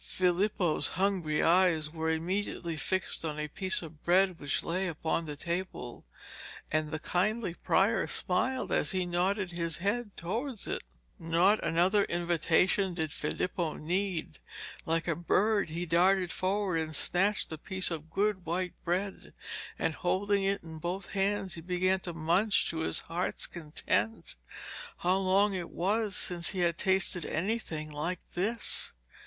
Filippo's hungry eyes were immediately fixed on a piece of bread which lay upon the table, and the kindly prior smiled as he nodded his head towards it. Not another invitation did Filippo need; like a bird he darted forward and snatched the piece of good white bread, and holding it in both hands he began to munch to his heart's content. How long it was since he had tasted anything like this!